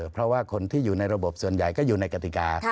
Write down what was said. เพราะว่าคนที่อยู่ในระบบส่วนใหญ่ก็อยู่ในกติกา